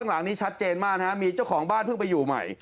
ข้างหลังนี้ชัดเจนมากมีเจ้าของบ้านเผื่อไปอยู่ใหม่